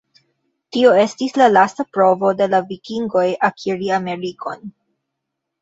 Tio estis la lasta provo de la vikingoj akiri Amerikon.